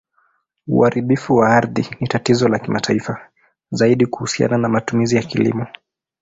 Uharibifu wa ardhi ni tatizo la kimataifa, zaidi kuhusiana na matumizi ya kilimo.